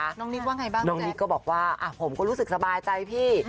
น้องนิกว่าไงบ้างน้องนิกก็บอกว่าผมก็รู้สึกสบายใจพี่